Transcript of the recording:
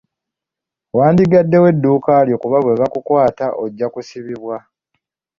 Wandigaddewo edduuka lyo kuba bwe bakukwata ojja kusibibwa.